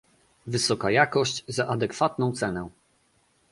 Wysoka jakość za adekwatną cenę